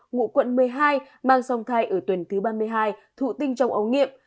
ngụ quận một mươi hai mang xong thai ở tuần thứ ba mươi hai thụ tinh trong ống nghiệp